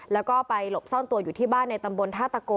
แล้วก็ไปหลบซ่อนตัวอยู่ที่บ้านในตำบลท่าตะโก